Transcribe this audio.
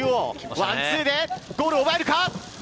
ワンツーでボールを奪えるか？